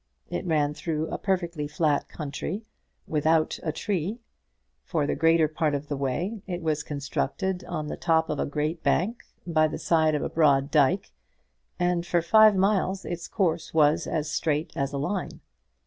It ran through a perfectly flat country, without a tree. For the greater part of the way it was constructed on the top of a great bank by the side of a broad dike, and for five miles its course was straight as a line.